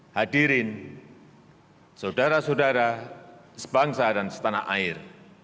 hadirin saudara saudara sebangsa dan setanah air